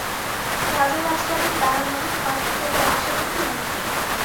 রাজারাজড়াদের দ্বারা মহৎ কার্য হইবার আশা অতি অল্প।